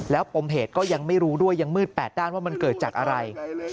ปมเหตุก็ยังไม่รู้ด้วยยังมืด๘ด้านว่ามันเกิดจากอะไร